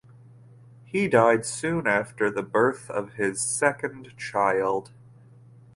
He died soon after the birth of his second child.